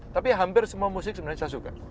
tapi hampir semua musik sebenarnya saya suka